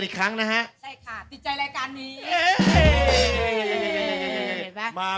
เท่าที่มีเก่า